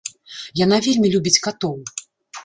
Яна вельмі любіць катоў.